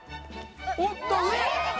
おっと上！